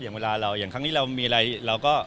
เวลาเราอย่างครั้งนี้เรามีอะไรเราก็